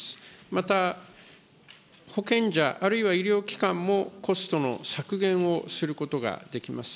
また、保険者あるいは医療機関もコストの削減をすることができます。